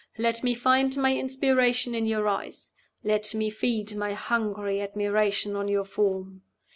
Let me find my inspiration in your eyes. Let me feed my hungry admiration on your form.